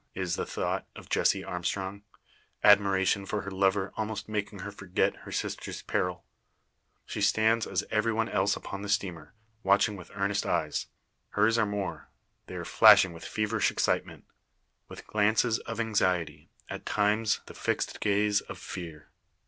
is the thought of Jessie Armstrong, admiration for her lover almost making her forget her sister's peril. She stands, as every one else upon the steamer, watching with earnest eyes. Hers are more; they are flashing with feverish excitement, with glances of anxiety at times the fixed gaze of fear.